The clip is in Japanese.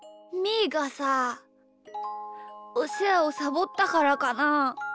ーがさおせわをサボったからかな？